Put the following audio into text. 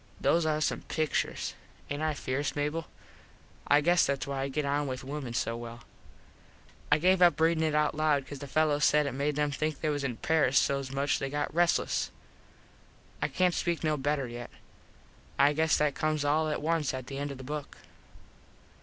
Those are some picturs. Aint I fierce, Mable? I guess thats why I get on with wimen so well. I gave up readin it out loud cause the fellos said it made em think they was in Paris so much they got restles. I cant speak no better yet. I guess that comes all at once at the end of the book.